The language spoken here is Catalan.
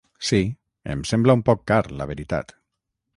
Sí, em sembla un poc car la veritat.